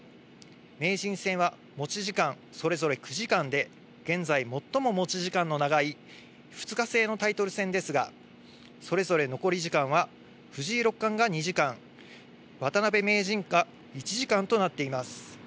名人戦は持ち時間、それぞれ９時間で、現在、最も持ち時間の長い２日制のタイトル戦ですが、それぞれ残り時間は藤井六冠が２時間、渡辺名人が１時間となっています。